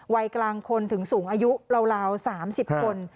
วัยกลางคนถึงสูงอายุราว๓๐คน